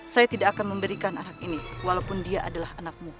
saya tidak akan memberikan anak ini walaupun dia adalah anakmu